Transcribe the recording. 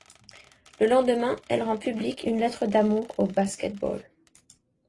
Le lendemain, elle rend publique une lettre d'amour au basket-ball.